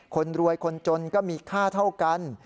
คนรวยคนจนก็มีค่าเท่ากัน